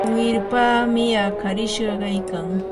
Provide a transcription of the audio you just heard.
wirpami hakarishqa kaykan.